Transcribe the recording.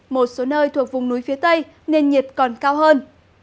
một số nơi thuộc vùng núi phía tây nền nhiệt còn cao hơn